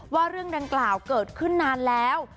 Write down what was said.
ว่าเรื่องดังกล่าวเกิดขึ้นนานแล้ว